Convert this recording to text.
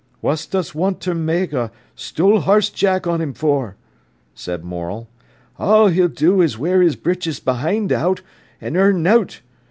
"What dost want ter ma'e a stool harsed Jack on 'im for?" said Morel. "All he'll do is to wear his britches behind out an' earn nowt.